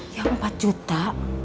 yang empat juta